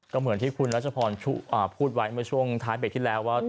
ก็เหมือนที่คุณรัชพรพูดไว้เมื่อช่วงท้ายเบรกที่แล้วว่า